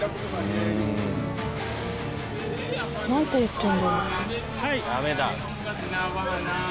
何て言ってるんだろう？